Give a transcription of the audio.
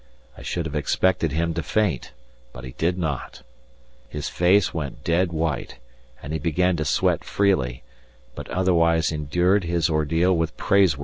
I should have expected him to faint, but he did not. His face went dead white, and he began to sweat freely, but otherwise endured his ordeal with praiseworthy fortitude.